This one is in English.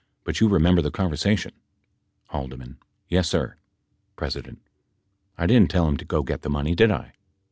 But you remember the conversation ? H. Yes, sir. P. I didn't tell him to go get the money did I